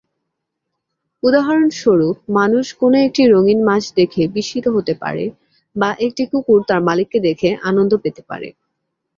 উদাহরণস্বরুপ; মানুষ কোনো একটি রঙিন মাছ দেখে বিস্মিত হতে পারে, বা একটি কুকুর তার মালিককে দেখে আনন্দ পেতে পারে।